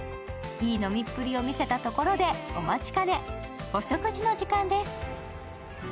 いい飲みっぷりを見せたところでお待ちかね、お食事の時間です。